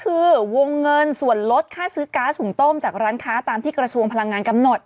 คือวงเงินส่วนลดค่าซื้อก๊าซหุ่งต้มจากร้านค้าตามที่กระทรวงพลังงานกำหนด